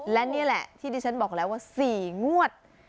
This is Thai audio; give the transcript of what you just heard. และนี่แหละที่ดิฉันบอกแล้วว่า๔งวด